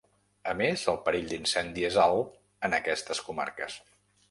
A més, el perill d’incendi és alt en aquestes comarques.